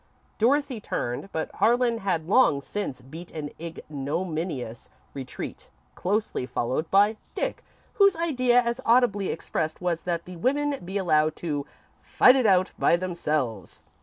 Dorothy turned, but Harlan had long since beat an ignominious retreat, closely followed by Dick, whose idea, as audibly expressed, was that the women be allowed to "fight it out by themselves."